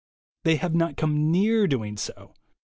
They have not come near doing so.